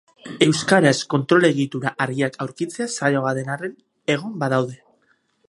Euskaraz kontrol egitura argiak aurkitzea zailago den arren, egon badaude.